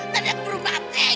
dan yang keburu mati